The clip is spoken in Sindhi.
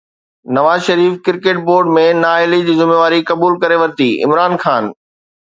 نواز شريف ڪرڪيٽ بورڊ ۾ نااهلي جي ذميواري قبول ڪري ورتي، عمران خان